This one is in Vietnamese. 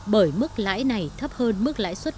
bởi mức lãi này thấp hơn mức lãi suất